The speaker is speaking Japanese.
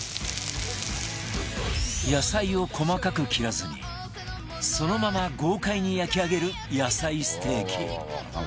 野菜を細かく切らずにそのまま豪快に焼き上げる野菜ステーキ